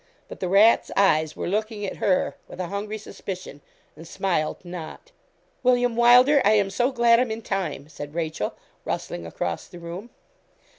But the rat's eyes were looking at her with a hungry suspicion, and smiled not. 'William Wylder, I am so glad I'm in time,' said Rachel, rustling across the room.